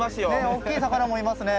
大きい魚もいますね！